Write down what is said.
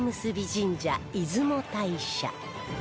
神社出雲大社